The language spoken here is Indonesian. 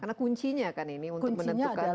karena kuncinya kan ini untuk menentukan